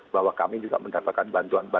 bahwa kami juga mendapatkan bantuan